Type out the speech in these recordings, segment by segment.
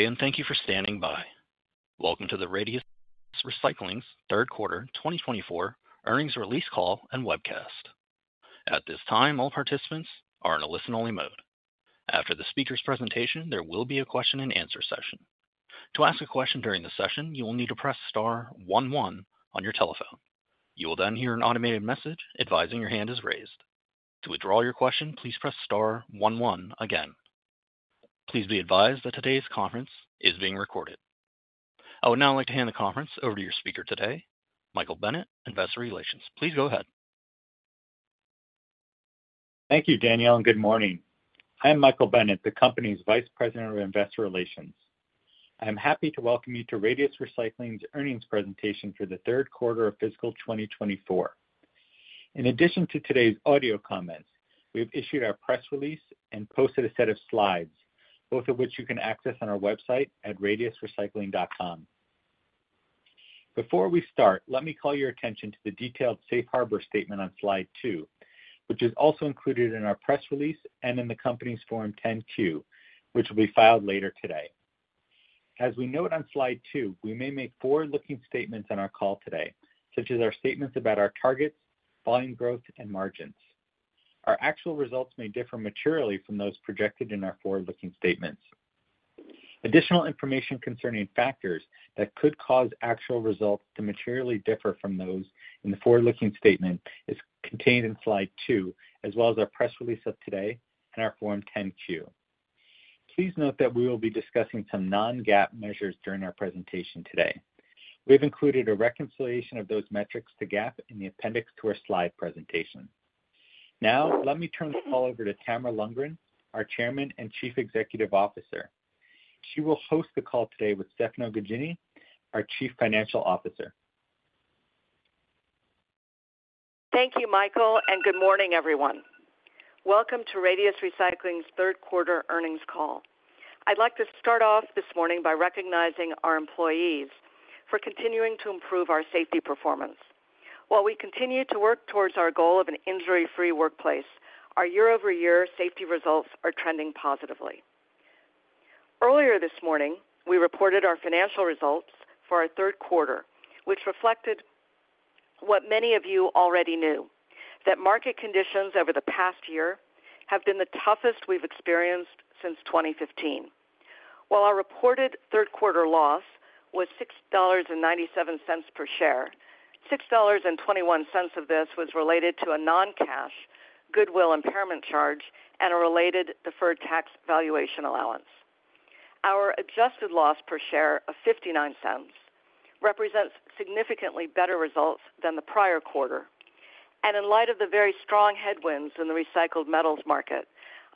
Today, thank you for standing by. Welcome to the Radius Recycling's Q3 2024 earnings release call and webcast. At this time, all participants are in a listen-only mode. After the speaker's presentation, there will be a question-and-answer session. To ask a question during the session, you will need to press star one one on your telephone. You will then hear an automated message advising your hand is raised. To withdraw your question, please press star one one again. Please be advised that today's conference is being recorded. I would now like to hand the conference over to your speaker today, Michael Bennett, Investor Relations. Please go ahead. Thank you, Danielle, and good morning. I am Michael Bennett, the company's vice president of investor relations. I am happy to welcome you to Radius Recycling's earnings presentation for the Q3 of Fiscal 2024. In addition to today's audio comments, we have issued our press release and posted a set of slides, both of which you can access on our website at radiusrecycling.com. Before we start, let me call your attention to the detailed Safe Harbor statement on slide two, which is also included in our press release and in the company's Form 10-Q, which will be filed later today. As we note on slide two, we may make forward-looking statements on our call today, such as our statements about our targets, volume growth, and margins. Our actual results may differ materially from those projected in our forward-looking statements. Additional information concerning factors that could cause actual results to materially differ from those in the forward-looking statement is contained in slide two, as well as our press release of today and our Form 10-Q. Please note that we will be discussing some non-GAAP measures during our presentation today. We have included a reconciliation of those metrics to GAAP in the appendix to our slide presentation. Now, let me turn the call over to Tamara Lundgren, our Chairman and Chief Executive Officer. She will host the call today with Stefano Gaggini, our Chief Financial Officer. Thank you, Michael, and good morning, everyone. Welcome to Radius Recycling's Q3 earnings call. I'd like to start off this morning by recognizing our employees for continuing to improve our safety performance. While we continue to work towards our goal of an injury-free workplace, our year-over-year safety results are trending positively. Earlier this morning, we reported our financial results for our Q3, which reflected what many of you already knew: that market conditions over the past year have been the toughest we've experienced since 2015. While our reported Q3 loss was $6.97 per share, $6.21 of this was related to a non-cash goodwill impairment charge and a related deferred tax valuation allowance. Our adjusted loss per share of $0.59 represents significantly better results than the prior quarter. In light of the very strong headwinds in the recycled metals market,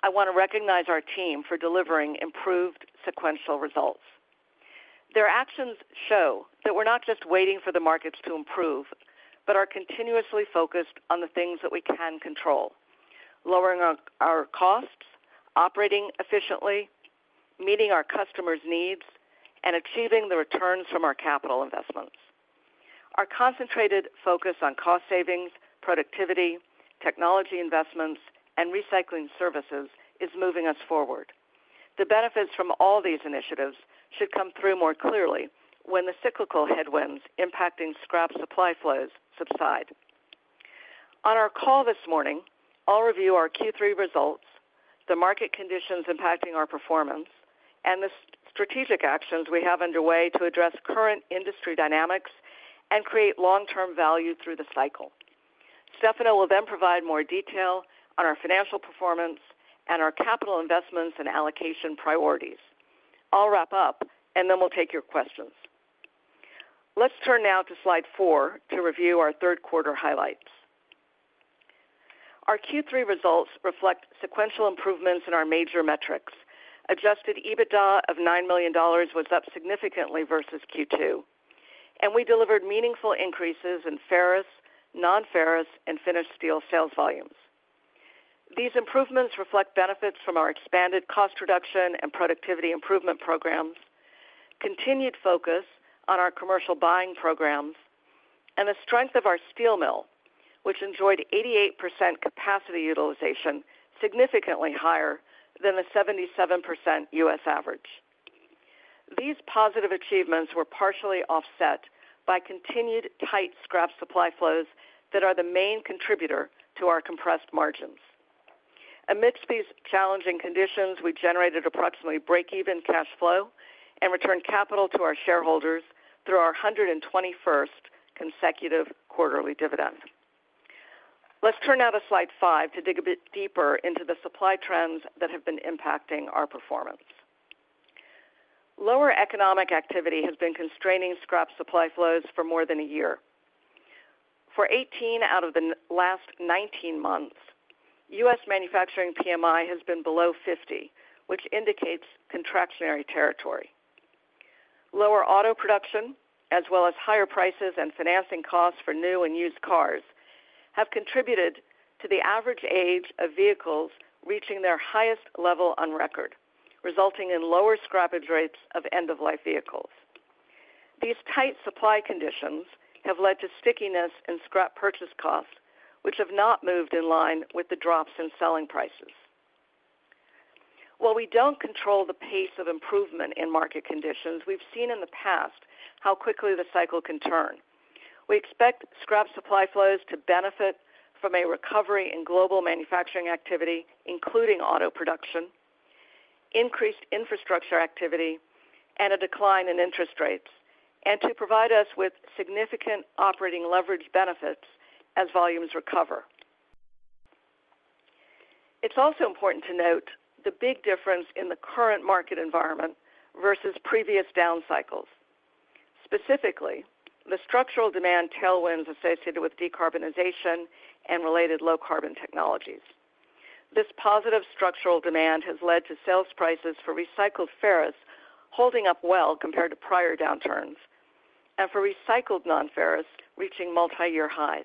I want to recognize our team for delivering improved sequential results. Their actions show that we're not just waiting for the markets to improve, but are continuously focused on the things that we can control: lowering our costs, operating efficiently, meeting our customers' needs, and achieving the returns from our capital investments. Our concentrated focus on cost savings, productivity, technology investments, and recycling services is moving us forward. The benefits from all these initiatives should come through more clearly when the cyclical headwinds impacting scrap supply flows subside. On our call this morning, I'll review our Q3 results, the market conditions impacting our performance, and the strategic actions we have underway to address current industry dynamics and create long-term value through the cycle. Stefano will then provide more detail on our financial performance and our capital investments and allocation priorities. I'll wrap up, and then we'll take your questions. Let's turn now to slide four to review our Q3 highlights. Our Q3 results reflect sequential improvements in our major metrics. Adjusted EBITDA of $9 million was up significantly versus Q2, and we delivered meaningful increases in ferrous, non-ferrous, and finished steel sales volumes. These improvements reflect benefits from our expanded cost reduction and productivity improvement programs, continued focus on our commercial buying programs, and the strength of our steel mill, which enjoyed 88% capacity utilization, significantly higher than the 77% US average. These positive achievements were partially offset by continued tight scrap supply flows that are the main contributor to our compressed margins. Amidst these challenging conditions, we generated approximately break-even cash flow and returned capital to our shareholders through our 121st consecutive quarterly dividend. Let's turn now to slide five to dig a bit deeper into the supply trends that have been impacting our performance. Lower economic activity has been constraining scrap supply flows for more than a year. For 18 out of the last 19 months, US manufacturing PMI has been below 50, which indicates contractionary territory. Lower auto production, as well as higher prices and financing costs for new and used cars, have contributed to the average age of vehicles reaching their highest level on record, resulting in lower scrappage rates of end-of-life vehicles. These tight supply conditions have led to stickiness in scrap purchase costs, which have not moved in line with the drops in selling prices. While we don't control the pace of improvement in market conditions, we've seen in the past how quickly the cycle can turn. We expect scrap supply flows to benefit from a recovery in global manufacturing activity, including auto production, increased infrastructure activity, and a decline in interest rates, and to provide us with significant operating leverage benefits as volumes recover. It's also important to note the big difference in the current market environment versus previous down cycles, specifically the structural demand tailwinds associated with decarbonization and related low-carbon technologies. This positive structural demand has led to sales prices for recycled ferrous holding up well compared to prior downturns, and for recycled non-ferrous reaching multi-year highs.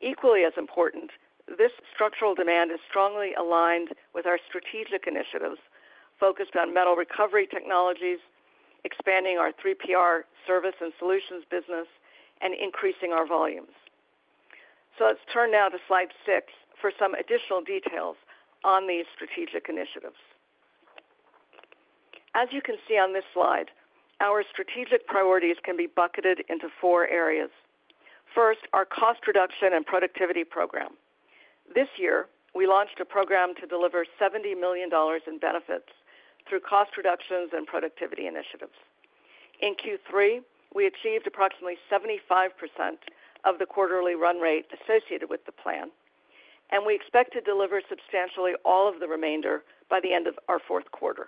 Equally as important, this structural demand is strongly aligned with our strategic initiatives focused on metal recovery technologies, expanding our 3PR service and solutions business, and increasing our volumes. Let's turn now to slide six for some additional details on these strategic initiatives. As you can see on this slide, our strategic priorities can be bucketed into four areas. First, our cost reduction and productivity program. This year, we launched a program to deliver $70 million in benefits through cost reductions and productivity initiatives. In Q3, we achieved approximately 75% of the quarterly run rate associated with the plan, and we expect to deliver substantially all of the remainder by the end of our Q4.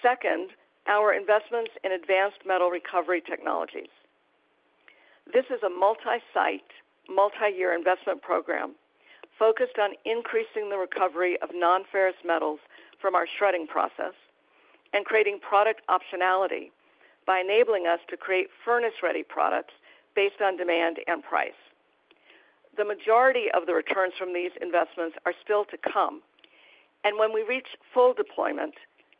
Second, our investments in advanced metal recovery technologies. This is a multi-site, multi-year investment program focused on increasing the recovery of non-ferrous metals from our shredding process and creating product optionality by enabling us to create furnace-ready products based on demand and price. The majority of the returns from these investments are still to come, and when we reach full deployment,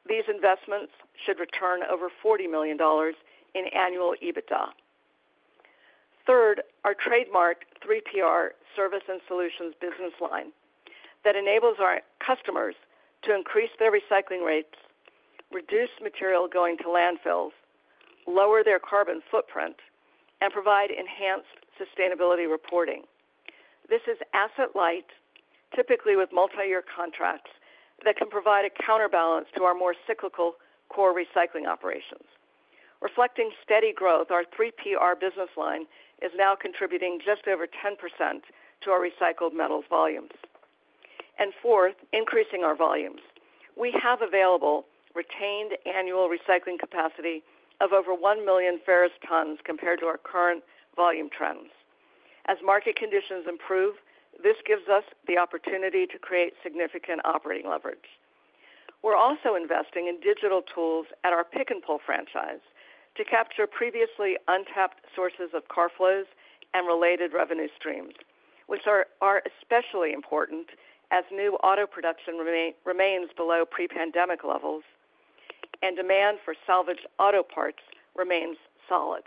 these investments should return over $40 million in annual EBITDA. Third, our trademarked 3PR service and solutions business line that enables our customers to increase their recycling rates, reduce material going to landfills, lower their carbon footprint, and provide enhanced sustainability reporting. This is asset-light, typically with multi-year contracts that can provide a counterbalance to our more cyclical core recycling operations. Reflecting steady growth, our 3PR business line is now contributing just over 10% to our recycled metals volumes. And fourth, increasing our volumes. We have available retained annual recycling capacity of over one million ferrous tons compared to our current volume trends. As market conditions improve, this gives us the opportunity to create significant operating leverage. We're also investing in digital tools at our Pick-n-Pull franchise to capture previously untapped sources of car flows and related revenue streams, which are especially important as new auto production remains below pre-pandemic levels and demand for salvage auto parts remains solid.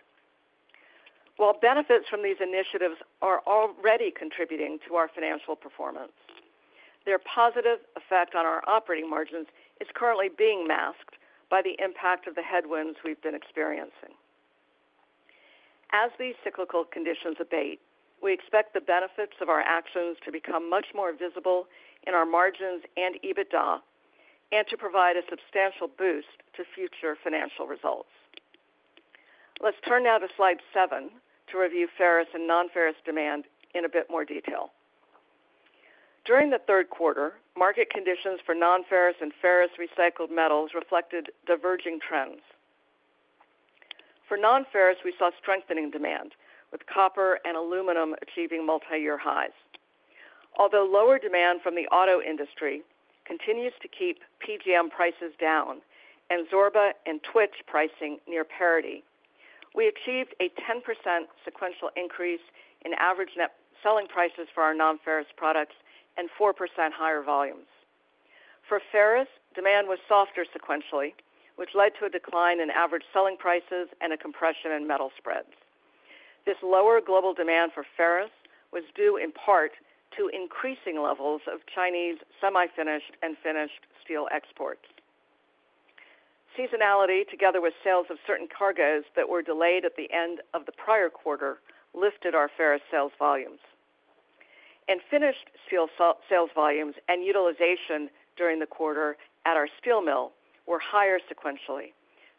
While benefits from these initiatives are already contributing to our financial performance, their positive effect on our operating margins is currently being masked by the impact of the headwinds we've been experiencing. As these cyclical conditions abate, we expect the benefits of our actions to become much more visible in our margins and EBITDA and to provide a substantial boost to future financial results. Let's turn now to slide seven to review ferrous and non-ferrous demand in a bit more detail. During the Q3, market conditions for non-ferrous and ferrous recycled metals reflected diverging trends. For non-ferrous, we saw strengthening demand, with copper and aluminum achieving multi-year highs. Although lower demand from the auto industry continues to keep PGM prices down and Zorba and Twitch pricing near parity, we achieved a 10% sequential increase in average net selling prices for our non-ferrous products and 4% higher volumes. For ferrous, demand was softer sequentially, which led to a decline in average selling prices and a compression in metal spreads. This lower global demand for ferrous was due in part to increasing levels of Chinese semi-finished and finished steel exports. Seasonality, together with sales of certain cargoes that were delayed at the end of the prior quarter, lifted our ferrous sales volumes. Finished steel sales volumes and utilization during the quarter at our steel mill were higher sequentially,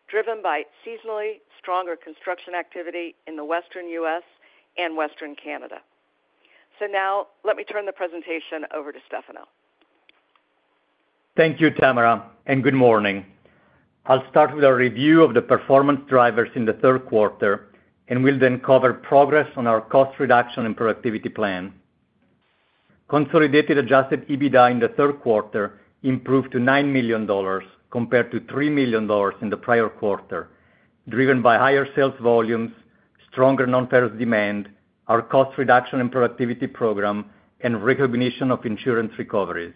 driven by seasonally stronger construction activity in the western US and western Canada. Now, let me turn the presentation over to Stefano. Thank you, Tamara, and good morning. I'll start with our review of the performance drivers in the Q3, and we'll then cover progress on our cost reduction and productivity plan. Consolidated Adjusted EBITDA in the Q3 improved to $9 million compared to $3 million in the prior quarter, driven by higher sales volumes, stronger non-ferrous demand, our cost reduction and productivity program, and recognition of insurance recoveries.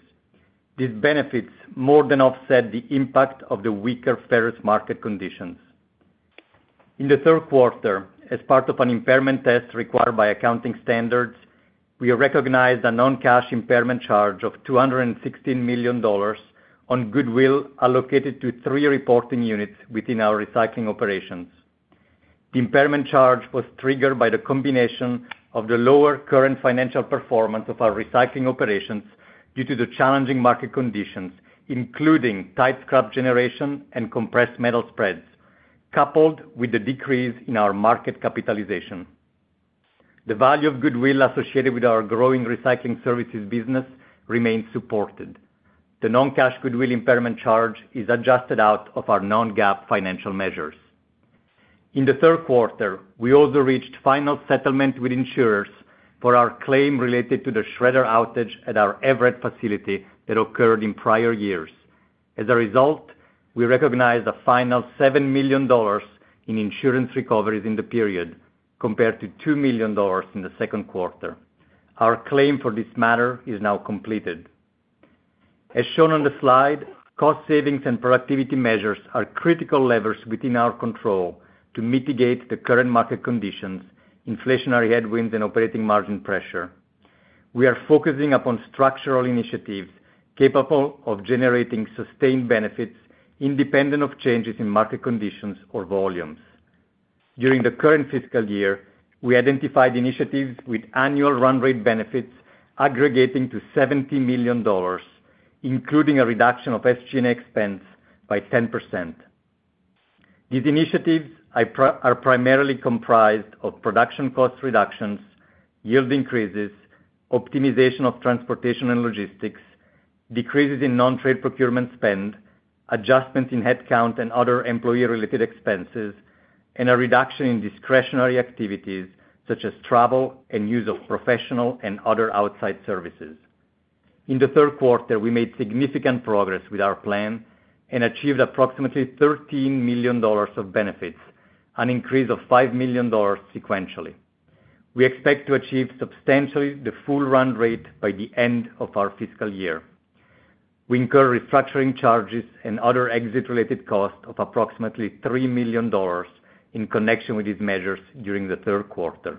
These benefits more than offset the impact of the weaker ferrous market conditions. In the Q3, as part of an impairment test required by accounting standards, we recognized a non-cash impairment charge of $216 million on goodwill allocated to three reporting units within our recycling operations. The impairment charge was triggered by the combination of the lower current financial performance of our recycling operations due to the challenging market conditions, including tight scrap generation and compressed metal spreads, coupled with the decrease in our market capitalization. The value of goodwill associated with our growing recycling services business remained supported. The non-cash goodwill impairment charge is adjusted out of our non-GAAP financial measures. In the Q3, we also reached final settlement with insurers for our claim related to the shredder outage at our Everett facility that occurred in prior years. As a result, we recognized a final $7 million in insurance recoveries in the period compared to $2 million in the second quarter. Our claim for this matter is now completed. As shown on the slide, cost savings and productivity measures are critical levers within our control to mitigate the current market conditions, inflationary headwinds, and operating margin pressure. We are focusing upon structural initiatives capable of generating sustained benefits independent of changes in market conditions or volumes. During the current Fiscal year, we identified initiatives with annual run rate benefits aggregating to $70 million, including a reduction of SG&A expense by 10%. These initiatives are primarily comprised of production cost reductions, yield increases, optimization of transportation and logistics, decreases in non-trade procurement spend, adjustments in headcount and other employee-related expenses, and a reduction in discretionary activities such as travel and use of professional and other outside services. In the Q3, we made significant progress with our plan and achieved approximately $13 million of benefits, an increase of $5 million sequentially. We expect to achieve substantially the full run rate by the end of our Fiscal year. We incur restructuring charges and other exit-related costs of approximately $3 million in connection with these measures during the Q3.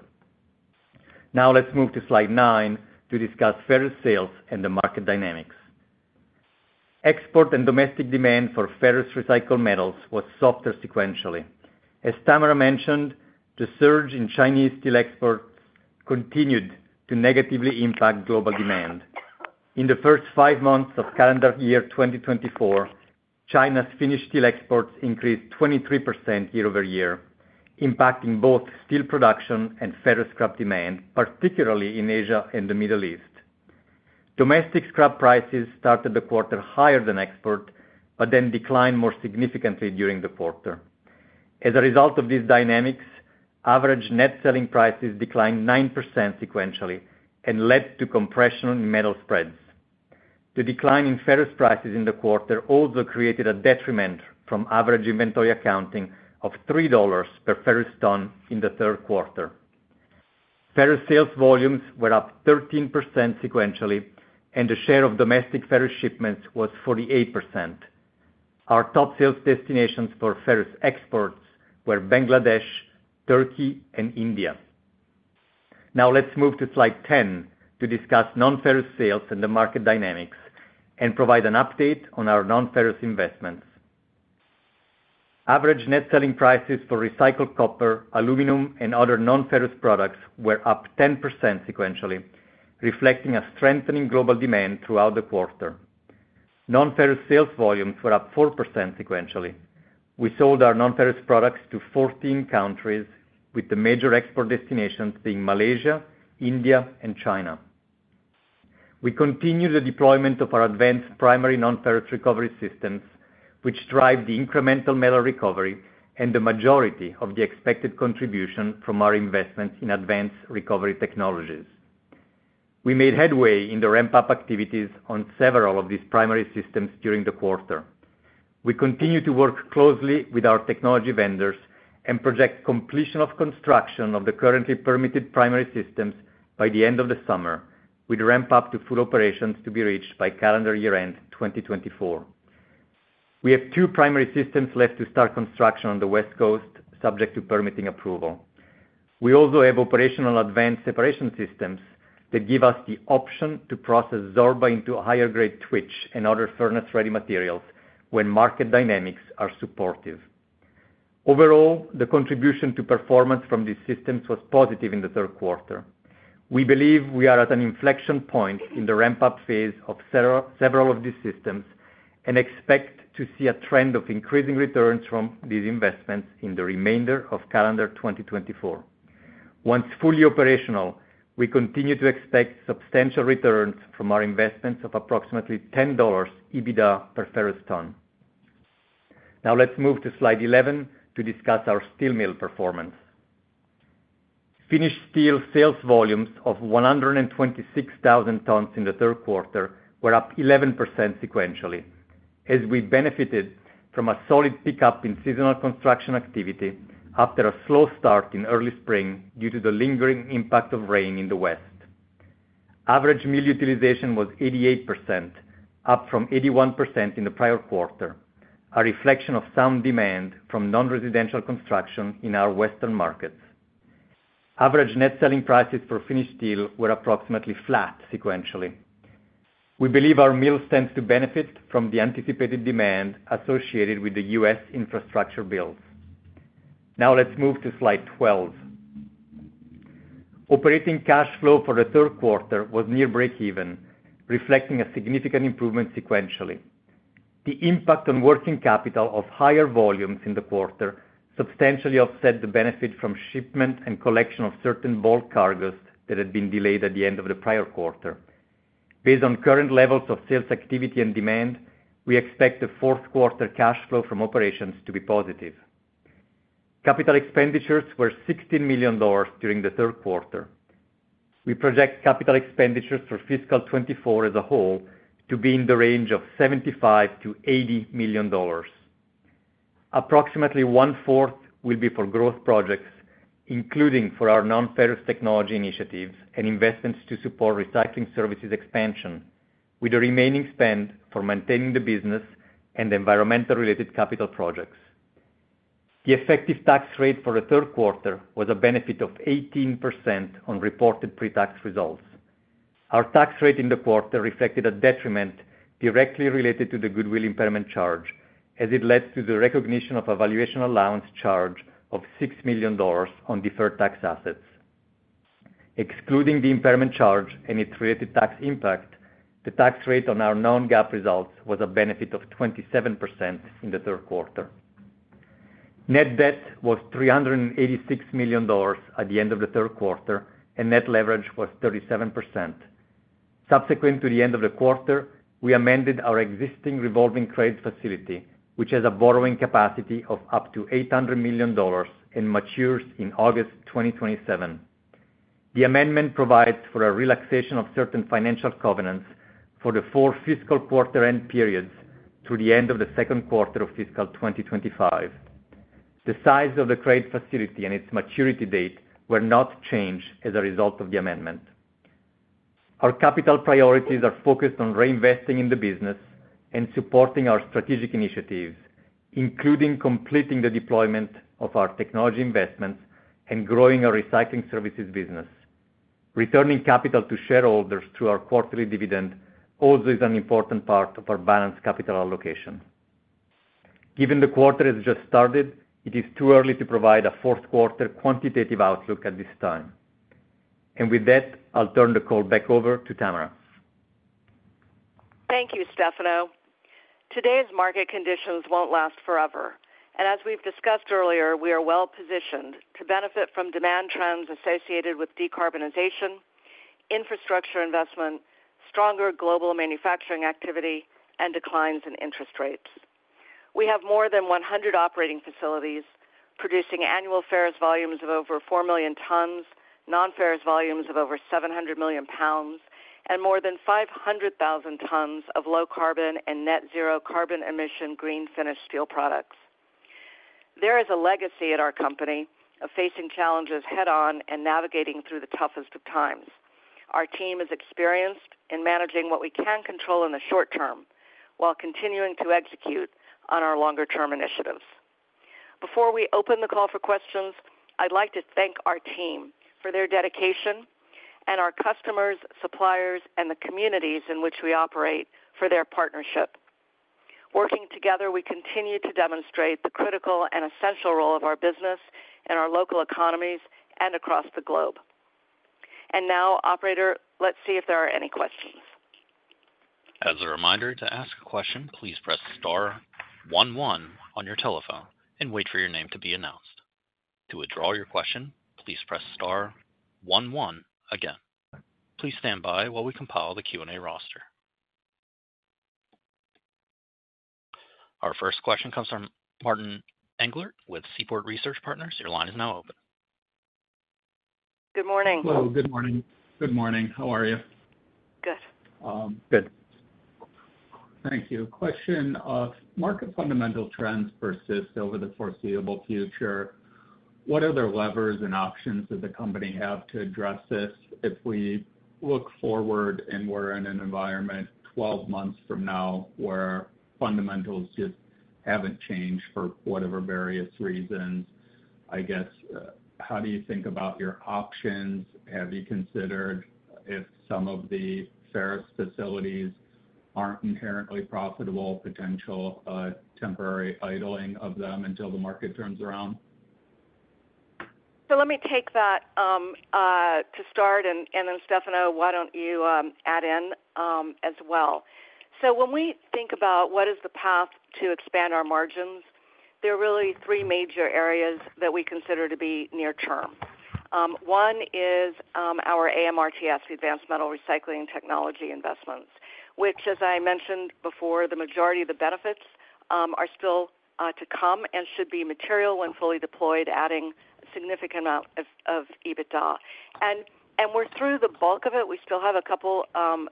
Now, let's move to slide nine to discuss ferrous sales and the market dynamics. Export and domestic demand for ferrous recycled metals was softer sequentially. As Tamara mentioned, the surge in Chinese steel exports continued to negatively impact global demand. In the first five months of calendar year 2024, China's finished steel exports increased 23% year-over-year, impacting both steel production and ferrous scrap demand, particularly in Asia and the Middle East. Domestic scrap prices started the quarter higher than export, but then declined more significantly during the quarter. As a result of these dynamics, average net selling prices declined 9% sequentially and led to compression in metal spreads. The decline in ferrous prices in the quarter also created a detriment from average inventory accounting of $3 per ferrous ton in the Q3. Ferrous sales volumes were up 13% sequentially, and the share of domestic ferrous shipments was 48%. Our top sales destinations for ferrous exports were Bangladesh, Turkey, and India. Now, let's move to slide 10 to discuss non-ferrous sales and the market dynamics and provide an update on our non-ferrous investments. Average net selling prices for recycled copper, aluminum, and other non-ferrous products were up 10% sequentially, reflecting a strengthening global demand throughout the quarter. Non-ferrous sales volumes were up 4% sequentially. We sold our non-ferrous products to 14 countries, with the major export destinations being Malaysia, India, and China. We continued the deployment of our advanced primary non-ferrous recovery systems, which drive the incremental metal recovery and the majority of the expected contribution from our investments in advanced recovery technologies. We made headway in the ramp-up activities on several of these primary systems during the quarter. We continue to work closely with our technology vendors and project completion of construction of the currently permitted primary systems by the end of the summer, with ramp-up to full operations to be reached by calendar year end 2024. We have two primary systems left to start construction on the West Coast, subject to permitting approval. We also have operational advanced separation systems that give us the option to process Zorba into a higher-grade Twitch and other furnace-ready materials when market dynamics are supportive. Overall, the contribution to performance from these systems was positive in the Q3. We believe we are at an inflection point in the ramp-up phase of several of these systems and expect to see a trend of increasing returns from these investments in the remainder of calendar 2024. Once fully operational, we continue to expect substantial returns from our investments of approximately $10 EBITDA per ferrous ton. Now, let's move to slide 11 to discuss our steel mill performance. Finished steel sales volumes of 126,000 tons in the Q3 were up 11% sequentially, as we benefited from a solid pickup in seasonal construction activity after a slow start in early spring due to the lingering impact of rain in the west. Average mill utilization was 88%, up from 81% in the prior quarter, a reflection of some demand from non-residential construction in our western markets. Average net selling prices for finished steel were approximately flat sequentially. We believe our mills tend to benefit from the anticipated demand associated with the US infrastructure bills. Now, let's move to slide 12. Operating cash flow for the Q3 was near break-even, reflecting a significant improvement sequentially. The impact on working capital of higher volumes in the quarter substantially offset the benefit from shipment and collection of certain bulk cargoes that had been delayed at the end of the prior quarter. Based on current levels of sales activity and demand, we expect the Q4 cash flow from operations to be positive. Capital expenditures were $16 million during the Q3. We project capital expenditures for Fiscal 2024 as a whole to be in the range of $75 to 80 million. Approximately 1/4 will be for growth projects, including for our non-ferrous technology initiatives and investments to support recycling services expansion, with the remaining spend for maintaining the business and environmental-related capital projects. The effective tax rate for the Q3 was a benefit of 18% on reported pre-tax results. Our tax rate in the quarter reflected a detriment directly related to the goodwill impairment charge, as it led to the recognition of a valuation allowance charge of $6 million on deferred tax assets. Excluding the impairment charge and its related tax impact, the tax rate on our non-GAAP results was a benefit of 27% in the Q3. Net debt was $386 million at the end of the Q3, and net leverage was 37%. Subsequent to the end of the quarter, we amended our existing revolving credit facility, which has a borrowing capacity of up to $800 million and matures in August 2027. The amendment provides for a relaxation of certain financial covenants for the four Fiscal quarter-end periods through the end of the second quarter of Fiscal 2025. The size of the credit facility and its maturity date were not changed as a result of the amendment. Our capital priorities are focused on reinvesting in the business and supporting our strategic initiatives, including completing the deployment of our technology investments and growing our recycling services business. Returning capital to shareholders through our quarterly dividend also is an important part of our balanced capital allocation. Given the quarter has just started, it is too early to provide a Q4 quantitative outlook at this time. With that, I'll turn the call back over to Tamara. Thank you, Stefano. Today's market conditions won't last forever. And as we've discussed earlier, we are well positioned to benefit from demand trends associated with decarbonization, infrastructure investment, stronger global manufacturing activity, and declines in interest rates. We have more than 100 operating facilities producing annual ferrous volumes of over four million tons, non-ferrous volumes of over 700 million pounds, and more than 500,000 tons of low carbon and net zero carbon emission green finished steel products. There is a legacy at our company of facing challenges head-on and navigating through the toughest of times. Our team is experienced in managing what we can control in the short term while continuing to execute on our longer-term initiatives. Before we open the call for questions, I'd like to thank our team for their dedication and our customers, suppliers, and the communities in which we operate for their partnership. Working together, we continue to demonstrate the critical and essential role of our business in our local economies and across the globe. Now, Operator, let's see if there are any questions. As a reminder to ask a question, please press star one one on your telephone and wait for your name to be announced. To withdraw your question, please press star one one again. Please stand by while we compile the Q&A roster. Our first question comes from Martin Englert with Seaport Research Partners. Your line is now open. Good morning. Hello. Good morning. Good morning. How are you? Good. Good. Thank you. Question of market fundamental trends persist over the foreseeable future. What other levers and options does the company have to address this if we look forward and we're in an environment 12 months from now where fundamentals just haven't changed for whatever various reasons? I guess, how do you think about your options? Have you considered if some of the ferrous facilities aren't inherently profitable, potential temporary idling of them until the market turns around? So let me take that to start. And then, Stefano, why don't you add in as well? So when we think about what is the path to expand our margins, there are really three major areas that we consider to be near term. One is our AMRTs, Advanced Metal Recycling Technology investments, which, as I mentioned before, the majority of the benefits are still to come and should be material when fully deployed, adding a significant amount of EBITDA. And we're through the bulk of it. We still have a couple of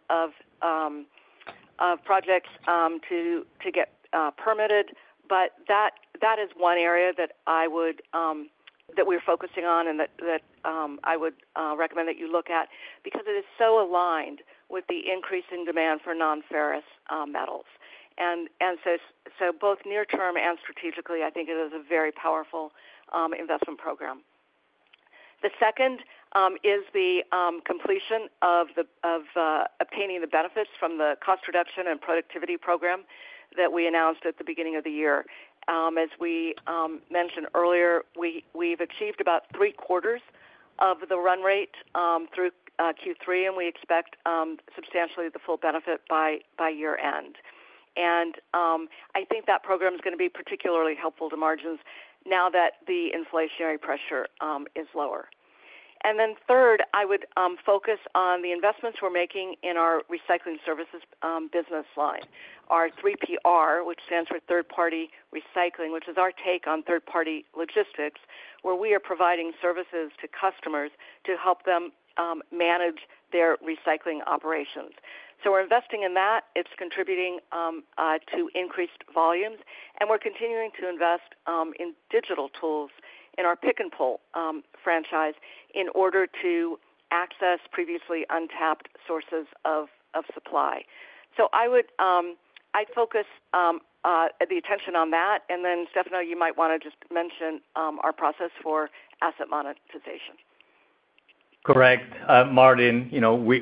projects to get permitted. But that is one area that we're focusing on and that I would recommend that you look at because it is so aligned with the increasing demand for non-ferrous metals. And so both near term and strategically, I think it is a very powerful investment program. The second is the completion of obtaining the benefits from the cost reduction and productivity program that we announced at the beginning of the year. As we mentioned earlier, we've achieved about three quarters of the run rate through Q3, and we expect substantially the full benefit by year-end. And I think that program is going to be particularly helpful to margins now that the inflationary pressure is lower. And then third, I would focus on the investments we're making in our recycling services business line, our 3PR, which stands for third-party recycling, which is our take on third-party logistics, where we are providing services to customers to help them manage their recycling operations. So we're investing in that. It's contributing to increased volumes. And we're continuing to invest in digital tools in our Pick-n-Pull franchise in order to access previously untapped sources of supply. I focus the attention on that. Then, Stefano, you might want to just mention our process for asset monetization. Correct. Martin,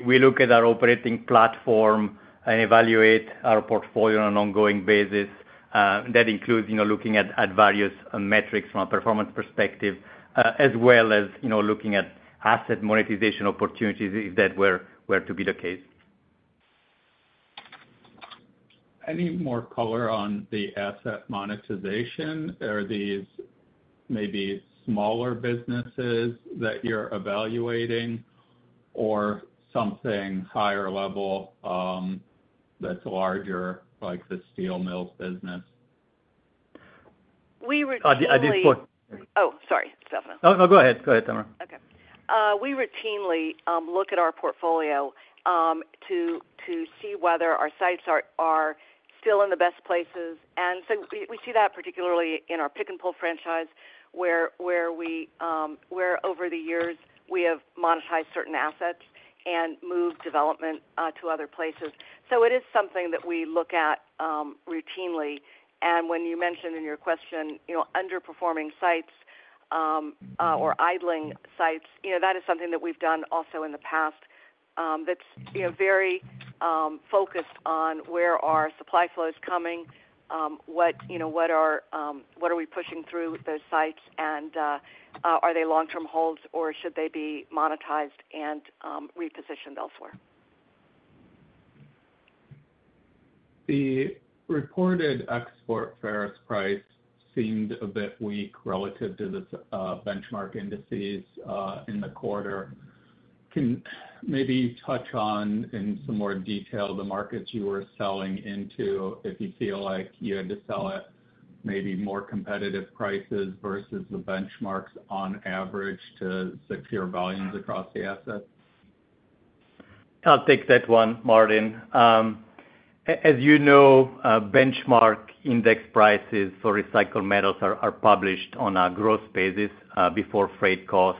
we look at our operating platform and evaluate our portfolio on an ongoing basis. That includes looking at various metrics from a performance perspective, as well as looking at asset monetization opportunities if that were to be the case. Any more color on the asset monetization? Are these maybe smaller businesses that you're evaluating or something higher level that's larger, like the steel mills business? We routinely. Oh, sorry, Stefano. No, no. Go ahead. Go ahead, Tamara. Okay. We routinely look at our portfolio to see whether our sites are still in the best places. And so we see that particularly in our Pick-n-Pull franchise, where over the years we have monetized certain assets and moved development to other places. So it is something that we look at routinely. And when you mentioned in your question underperforming sites or idling sites, that is something that we've done also in the past that's very focused on where our supply flow is coming, what are we pushing through those sites, and are they long-term holds, or should they be monetized and repositioned elsewhere? The reported export ferrous price seemed a bit weak relative to the benchmark indices in the quarter. Can maybe you touch on in some more detail the markets you were selling into if you feel like you had to sell at maybe more competitive prices versus the benchmarks on average to secure volumes across the asset? I'll take that one, Martin. As you know, benchmark index prices for recycled metals are published on a gross basis before freight cost.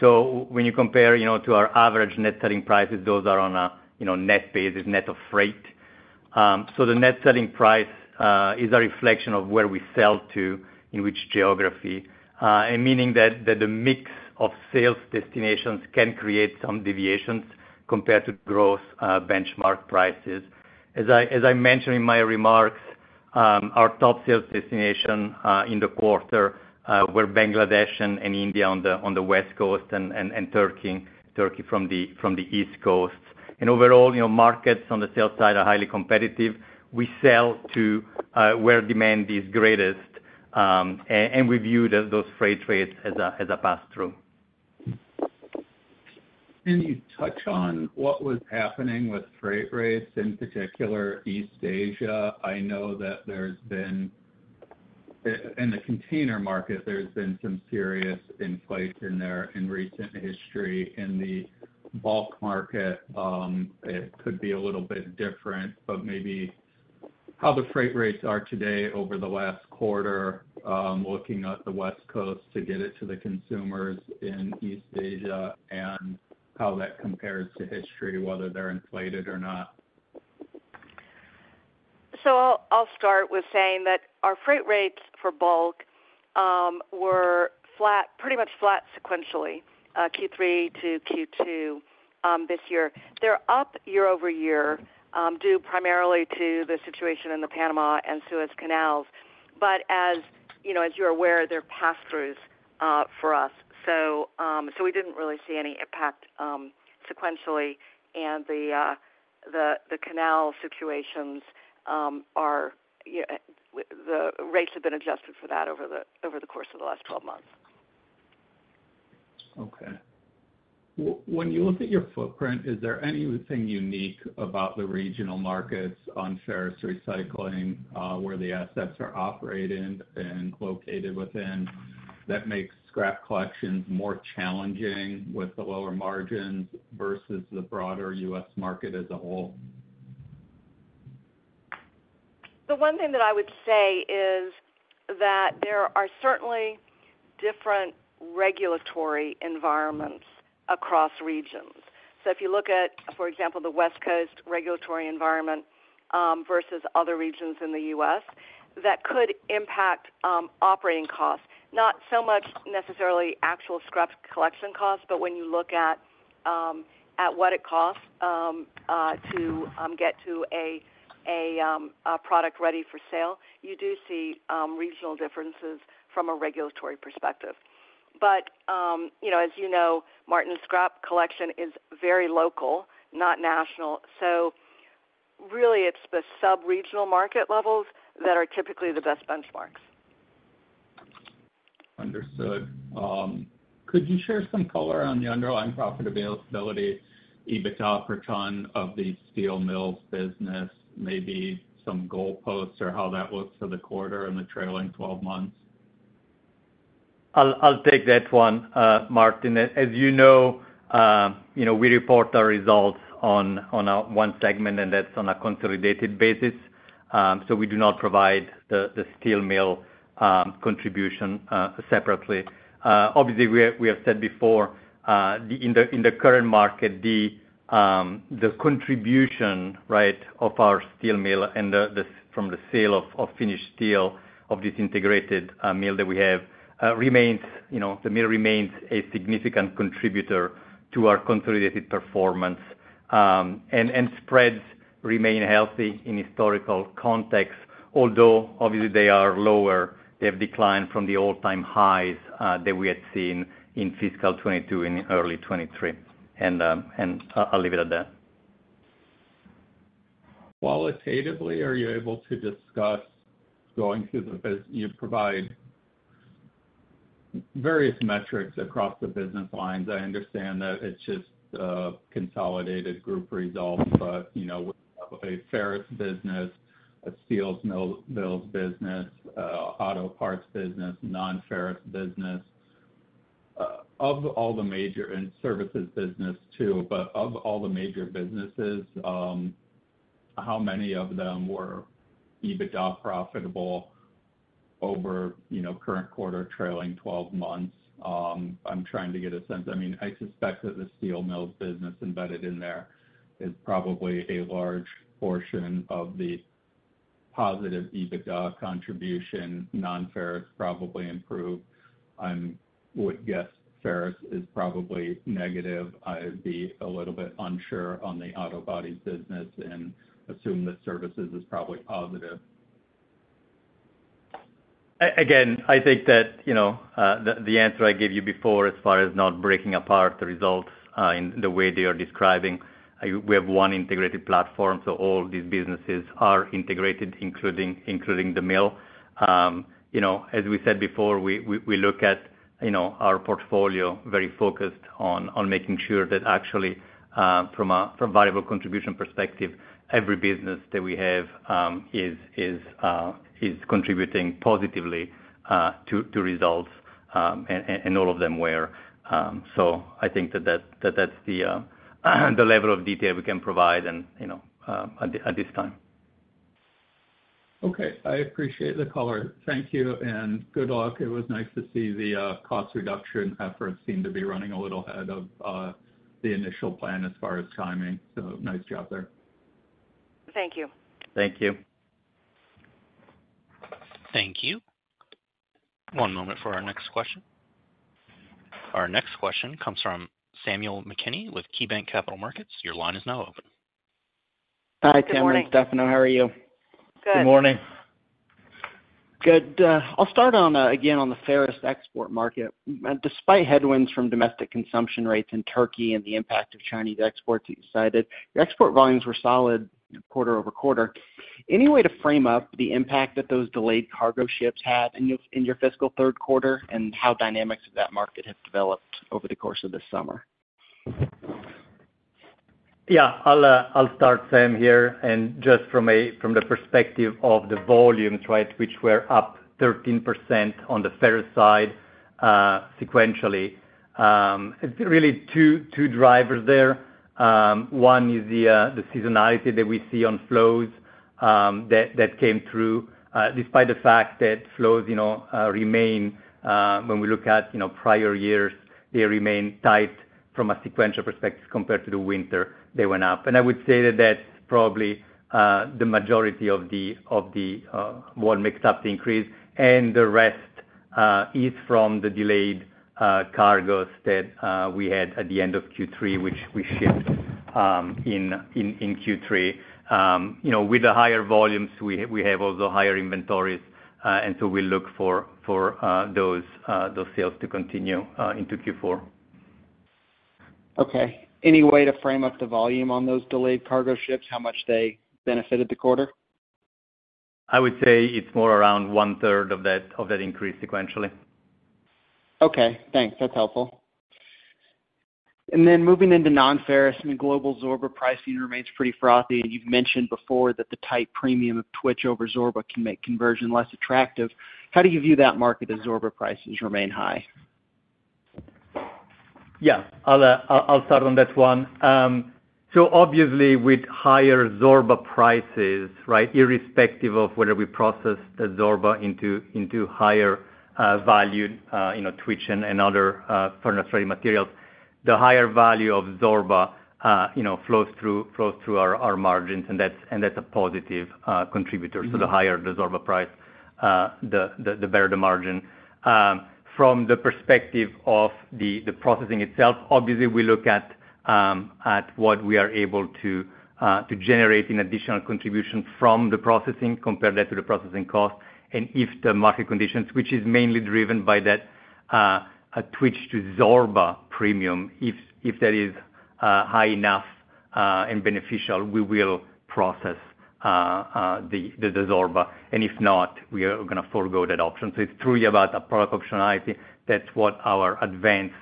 So when you compare to our average net selling prices, those are on a net basis, net of freight. So the net selling price is a reflection of where we sell to, in which geography, meaning that the mix of sales destinations can create some deviations compared to gross benchmark prices. As I mentioned in my remarks, our top sales destination in the quarter were Bangladesh and India on the West Coast and Turkey from the East Coast. Overall, markets on the sales side are highly competitive. We sell to where demand is greatest, and we view those freight rates as a pass-through. Can you touch on what was happening with freight rates in particular East Asia? I know that there's been in the container market, there's been some serious inflation there in recent history. In the bulk market, it could be a little bit different, but maybe how the freight rates are today over the last quarter, looking at the West Coast to get it to the consumers in East Asia and how that compares to history, whether they're inflated or not. I'll start with saying that our freight rates for bulk were pretty much flat sequentially, Q3 to Q2 this year. They're up year over year due primarily to the situation in the Panama and Suez Canals. But as you're aware, they're pass-throughs for us. We didn't really see any impact sequentially. The canal situations, the rates have been adjusted for that over the course of the last 12 months. Okay. When you look at your footprint, is there anything unique about the regional markets on ferrous recycling where the assets are operated and located within that makes scrap collections more challenging with the lower margins versus the broader US market as a whole? The one thing that I would say is that there are certainly different regulatory environments across regions. So if you look at, for example, the West Coast regulatory environment versus other regions in the US, that could impact operating costs, not so much necessarily actual scrap collection costs, but when you look at what it costs to get to a product ready for sale, you do see regional differences from a regulatory perspective. But as you know, Martin, scrap collection is very local, not national. So really, it's the sub-regional market levels that are typically the best benchmarks. Understood. Could you share some color on the underlying profitability, EBITDA per ton of the steel mills business, maybe some goalposts or how that looks for the quarter and the trailing 12 months? I'll take that one, Martin. As you know, we report our results on one segment, and that's on a consolidated basis. So we do not provide the steel mill contribution separately. Obviously, we have said before, in the current market, the contribution, right, of our steel mill from the sale of finished steel of this integrated mill that we have remains, the mill remains a significant contributor to our consolidated performance. And spreads remain healthy in historical context, although obviously they are lower. They have declined from the all-time highs that we had seen in Fiscal 2022 and early 2023. And I'll leave it at that. Qualitatively, are you able to discuss going through the you provide various metrics across the business lines? I understand that it's just consolidated group results, but we have a ferrous business, a steel mills business, auto parts business, non-ferrous business, of all the major and services business too. But of all the major businesses, how many of them were EBITDA profitable over current quarter trailing 12 months? I'm trying to get a sense. I mean, I suspect that the steel mills business embedded in there is probably a large portion of the positive EBITDA contribution. Non-ferrous probably improved. I would guess ferrous is probably negative. I'd be a little bit unsure on the auto bodies business and assume that services is probably positive. Again, I think that the answer I gave you before as far as not breaking apart the results in the way they are describing, we have one integrated platform. So all these businesses are integrated, including the mill. As we said before, we look at our portfolio very focused on making sure that actually, from a viable contribution perspective, every business that we have is contributing positively to results, and all of them were. So I think that that's the level of detail we can provide at this time. Okay. I appreciate the color. Thank you. Good luck. It was nice to see the cost reduction efforts seem to be running a little ahead of the initial plan as far as timing. Nice job there. Thank you. Thank you. Thank you. One moment for our next question. Our next question comes from Samuel McKinney with KeyBanc Capital Markets. Your line is now open. Hi, Tamara. Good morning. Stefano, how are you? Good. Good morning. Good. I'll start again on the ferrous export market. Despite headwinds from domestic consumption rates in Turkey and the impact of Chinese exports that you cited, your export volumes were solid quarter-over-quarter. Any way to frame up the impact that those delayed cargo ships had in your Fiscal Q3 and how dynamics of that market have developed over the course of this summer? Yeah. I'll start same here. And just from the perspective of the volumes, right, which were up 13% on the ferrous side sequentially, really two drivers there. One is the seasonality that we see on flows that came through despite the fact that flows remain, when we look at prior years, they remain tight from a sequential perspective compared to the winter. They went up. And I would say that that's probably the majority of the 13% sequential increase. And the rest is from the delayed cargoes that we had at the end of Q3, which we shipped in Q3. With the higher volumes, we have also higher inventories. And so we look for those sales to continue into Q4. Okay. Any way to frame up the volume on those delayed cargo ships, how much they benefited the quarter? I would say it's more around 1/3 of that increase sequentially. Okay. Thanks. That's helpful. And then moving into non-ferrous, I mean, global Zorba pricing remains pretty frothy. And you've mentioned before that the tight premium of Twitch over Zorba can make conversion less attractive. How do you view that market as Zorba prices remain high? Yeah. I'll start on that one. So obviously, with higher Zorba prices, right, irrespective of whether we process the Zorba into higher value, Twitch and other furnace-ready materials, the higher value of Zorba flows through our margins. And that's a positive contributor. So the higher the Zorba price, the better the margin. From the perspective of the processing itself, obviously, we look at what we are able to generate in additional contribution from the processing, compare that to the processing cost, and if the market conditions, which is mainly driven by that Twitch to Zorba premium, if that is high enough and beneficial, we will process the Zorba. And if not, we are going to forego that option. So it's truly about the product optionality. That's what our advanced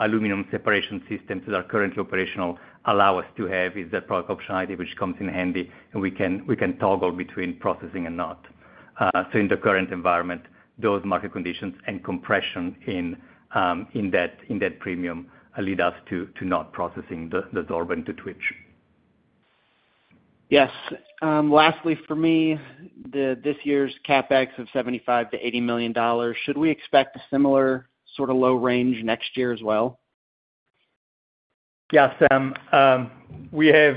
aluminum separation systems that are currently operational allow us to have is that product optionality, which comes in handy, and we can toggle between processing and not. So in the current environment, those market conditions and compression in that premium lead us to not processing the Zorba into Twitch. Yes. Lastly, for me, this year's CapEx of $75 to 80 million. Should we expect a similar sort of low range next year as well? Yeah. Sam, we have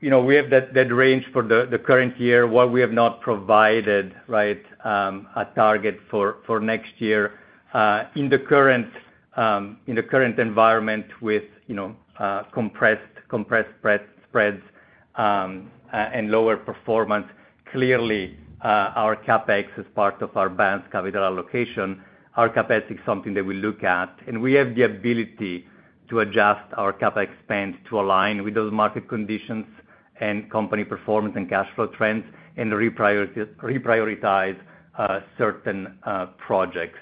that range for the current year. What we have not provided, right, a target for next year. In the current environment with compressed spreads and lower performance, clearly, our CapEx as part of our balanced capital allocation, our CapEx is something that we look at. And we have the ability to adjust our CapEx spend to align with those market conditions and company performance and cash flow trends and reprioritize certain projects.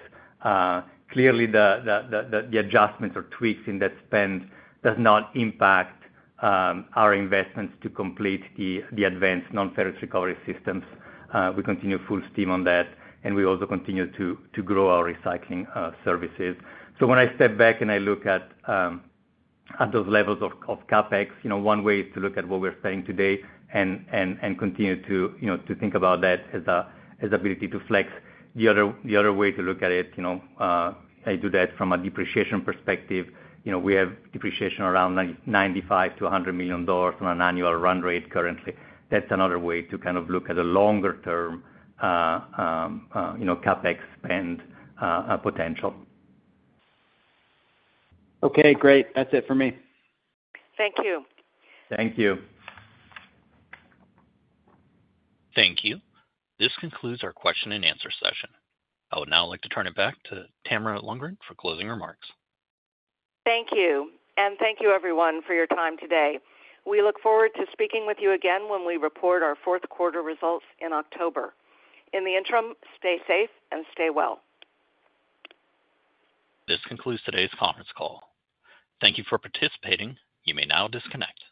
Clearly, the adjustments or tweaks in that spend does not impact our investments to complete the advanced non-ferrous recovery systems. We continue full steam on that. And we also continue to grow our recycling services. So when I step back and I look at those levels of CapEx, one way is to look at what we're spending today and continue to think about that as an ability to flex. The other way to look at it, I do that from a depreciation perspective. We have depreciation around $95 to 100 million on an annual run rate currently. That's another way to kind of look at a longer-term CapEx spend potential. Okay. Great. That's it for me. Thank you. Thank you. Thank you. This concludes our question and answer session. I would now like to turn it back to Tamara Lundgren for closing remarks. Thank you. Thank you, everyone, for your time today. We look forward to speaking with you again when we report our Q4 results in October. In the interim, stay safe and stay well. This concludes today's conference call. Thank you for participating. You may now disconnect.